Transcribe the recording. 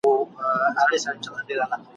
خو لا دي سره دي لاسونه دواړه ..